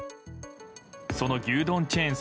その牛丼チェーン